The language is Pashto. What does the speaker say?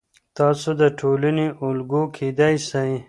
تاسو د ټولنې الګو کیدی سئ.